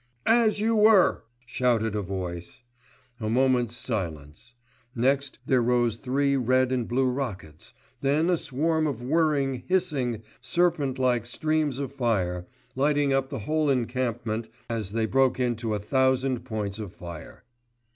"As you were," shouted a voice. A moment's silence. Next there rose three red and blue rockets, then a swarm of whirring, hissing, serpent like streams of fire, lighting up the whole encampment as they broke into a thousand points of fire.